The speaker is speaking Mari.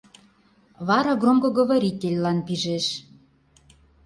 Вара громкоговорительлан пижеш.